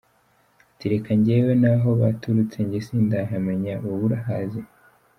Ati: “Reka njyewe n’aho baturutse njye sindahamenya, wowe urahazi?”